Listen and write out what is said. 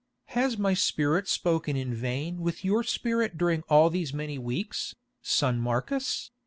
Has my spirit spoken in vain with your spirit during all these many weeks, son Marcus?